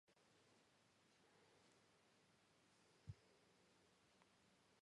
საბჭოთა პერიოდში განვითარებული იყო მეხილეობა და მეფუტკრეობა.